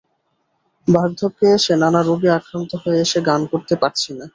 বার্ধক্যে এসে নানা রোগে আক্রান্ত হয়ে এখন গান করতে পারছি না।